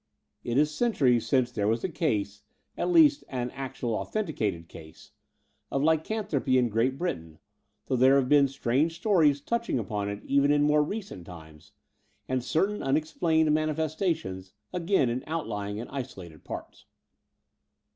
It is cen turies since there was a case — ^at least, an actually authenticated case — of lycanthropy in Great Britain, though there have been strange stories touching upon it even in more recent times and cer tain unexplained manifestations, again in outlying and isolated parts.